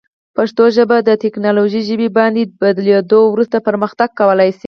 پښتو ژبه تکنالوژي ژبې باندې بدلیدو وروسته پرمختګ کولی شي.